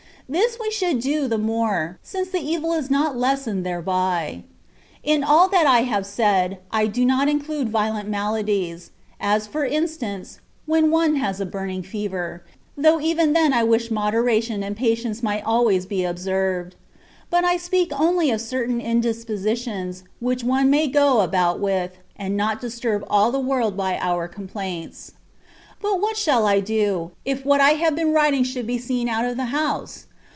This we should do the more, since the evil is not lessened thereby. In all that I have said, I do not include violent maladies ; as for instance, when one has a burning fever, though even then I wish moderation and patience might always be observed : but I speak only of certain indisposi tions, which one may go about with, and not disturb all the world by our complaints. But what shall I do, if what I have been writing should be seen out of the house